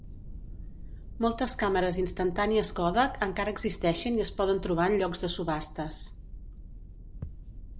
Moltes càmeres instantànies Kodak encara existeixen i es poden trobar en llocs de subhastes.